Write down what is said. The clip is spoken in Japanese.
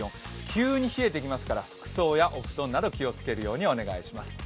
急に冷えてきますから、服装やお布団など、気をつけるようにお願いします。